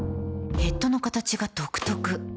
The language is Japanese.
ヘッドの形が独特